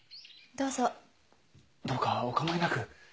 どうかお構いなく。